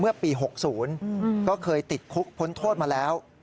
เมื่อปี๖๐ก็เคยติดคุกพ้นโทษมาแล้ว